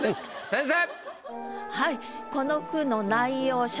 先生。